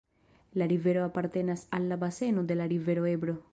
La rivero apartenas al la baseno de la rivero Ebro.